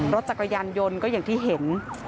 รถจักรยานยนต์ก็อย่างที่เห็น